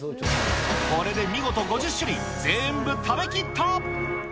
これで見事５０種類、全部食べ切った！